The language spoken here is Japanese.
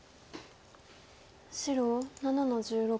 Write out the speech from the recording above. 白７の十六切り。